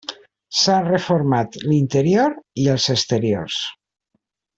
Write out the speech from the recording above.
S'ha reformat l'interior i els exteriors.